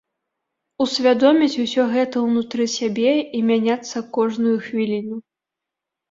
Усвядоміць усё гэта унутры сябе і мяняцца кожную хвіліну.